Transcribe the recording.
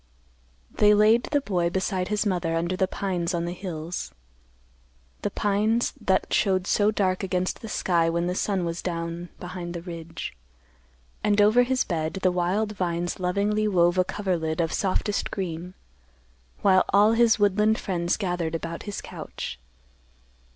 They laid the boy beside his mother under the pines on the hills; the pines that showed so dark against the sky when the sun was down behind the ridge. And over his bed the wild vines lovingly wove a coverlid of softest green, while all his woodland friends gathered about his couch.